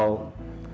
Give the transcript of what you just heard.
kalian berdua ini